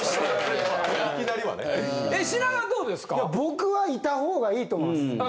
いや僕はいた方がいいと思います。